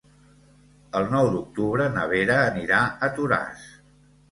El nou d'octubre na Vera anirà a Toràs.